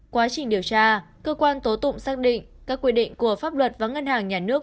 quá trình điều tra cơ quan tố tụng xác định các quy định của pháp luật và ngân hàng nhà nước